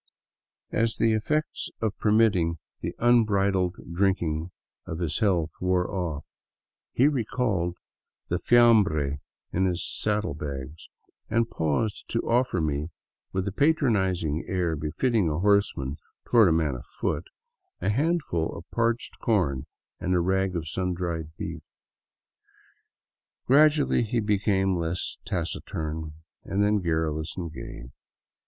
As the effects of permitting 224 THE WILDS OF NORTHERN PERU the unbridled drinking of his health wore off, he recalled the fiamhre in his saddle bags, and paused to offer me, with the patronizing air befitting a horseman toward a man afoot, a handful of parched corn and a rag of sun dried beef. Gradually he became less taciturn, then garrulous and gay.